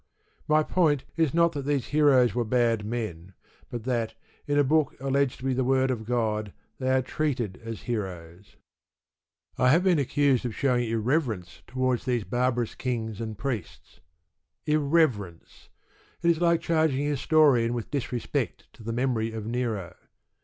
My point is not that these heroes were bad men, but that, in a book alleged to be the word of God, they are treated as heroes. I have been accused of showing irreverence towards these barbarous kings and priests. Irreverence! It is like charging a historian with disrespect to the memory of Nero.